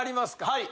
はい。